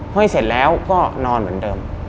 ห้อยเสร็จแล้วก็นอนเหมือนเดิม